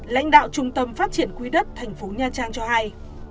lãnh đạo trung tâm phát triển quỹ đất tp nha trang cho hay